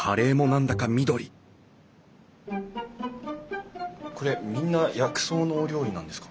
緑これみんな薬草のお料理なんですか？